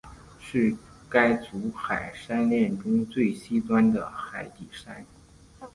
是该组海山炼中最西端的海底山。